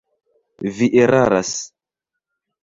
Vi eraras.